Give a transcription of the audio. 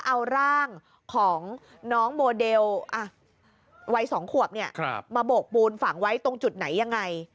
เอาร่างของน้องโมเดลวัย๒ขวบมาโบกปูนฝังไว้ตรงจุดไหนยังไง